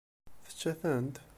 Tečča-tent?